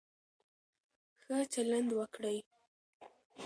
ښه چلند وکړئ.